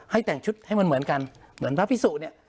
แต่งชุดให้มันเหมือนกันเหมือนพระพิสุเนี่ย